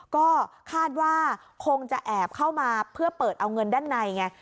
ก็คาดว่าคงจะแอบเข้ามาเพื่อเปิดเอาเงินด้านในไง